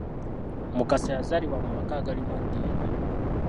Mukasa yazaalibwa mu maka agalimu eddiini.